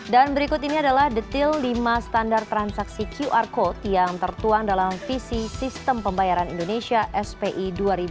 dan berikut ini adalah detail lima standar transaksi qr code yang tertuang dalam visi sistem pembayaran indonesia spi dua ribu dua puluh lima